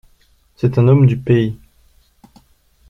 C’est un homme du pays.